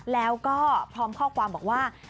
แล้วก็พร้อมข้อความบอกว่า